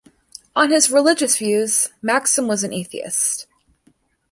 On his religious views, Maxim was an atheist.